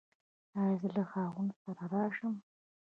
ایا زه له خاوند سره راشم؟